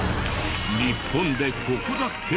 日本でここだけ？